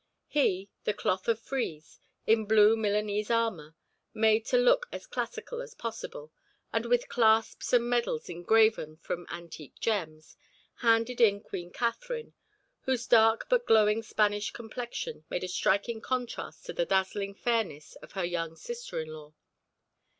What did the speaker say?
He—the cloth of frieze—in blue Milanese armour, made to look as classical as possible, and with clasps and medals engraven from antique gems—handed in Queen Katharine, whose dark but glowing Spanish complexion made a striking contrast to the dazzling fairness of her young sister in law.